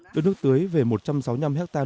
đưa nước tưới về một trăm sáu mươi năm ha